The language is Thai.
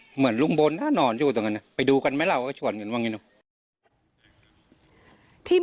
เหมือนรุ่นบนทานอนอยู่ถึงไปดูกันไม่แล้วก็การวางิน